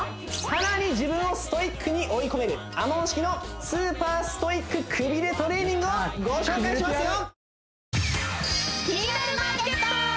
さらに自分をストイックに追い込めるＡＭＯＮ式のスーパーストイックくびれトレーニングをご紹介しますよ！